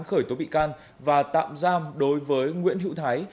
khởi tố bị can và tạm giam đối với nguyễn hữu thái